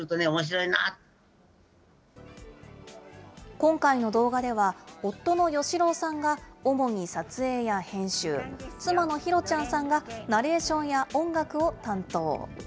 今回の動画では、夫のよしろうさんが、主に撮影や編集、妻のひろちゃんさんがナレーションや音楽を担当。